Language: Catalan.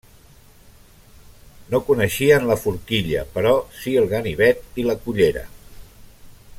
No coneixien la forquilla però si el ganivet i la cullera.